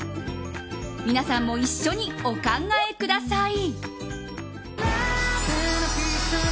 皆さんも一緒にお考えください。